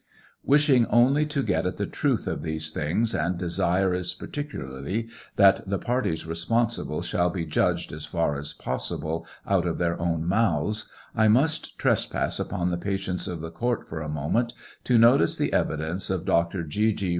Wishing only to get at the truth of these things, and desirous particularly that the parties responsible shall be judged, as far as possible, out of their own mouths, I must trespass upon the patience of the court for a moment, to notice the evidence of Dr. G. G.